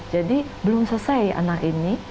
jadi belum selesai anak ini